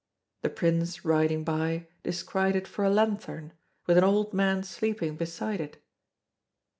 The Prince riding by descried it for a lanthorn, with an old man sleeping beside it.